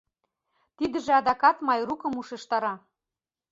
Тидыже адакат Майрукым ушештара.